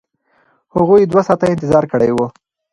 هغوی دوه ساعته انتظار کړی و.